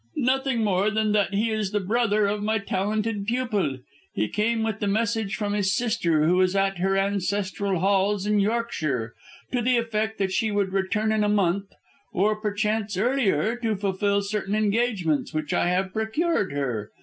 "Nothing more than that he is the brother of my talented pupil. He came with the message from his sister, who is at her ancestral halls in Yorkshire, to the effect that she would return in a month, or perchance earlier, to fulfil certain engagements which I have procured her.